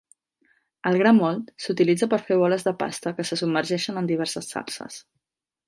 El gra mòlt s'utilitza per fer boles de pasta que se submergeixen en diverses salses.